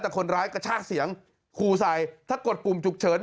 แต่คนร้ายกระชากเสียงขู่ใส่ถ้ากดปุ่มฉุกเฉิน